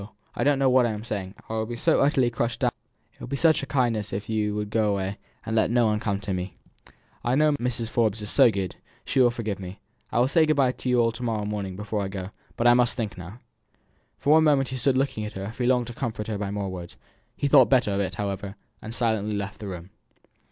I don't know what I am saying, I am so utterly crushed down! It would be such a kindness if you would go away, and let no one come to me. I know Mrs. Forbes is so good, she will forgive me. I will say good by to you all before I go to morrow morning; but I must think now." For one moment he stood looking at her as if he longed to comfort her by more words. He thought better of it, however, and silently left the room.